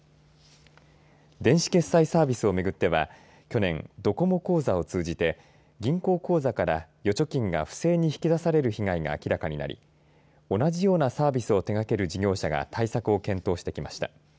電子決済サービスをめぐっては去年、ドコモ口座を通じて銀行口座から預貯金が不正に引き出される被害が明らかになり同じようなサービスを手掛ける事業者が対策を検討してきました。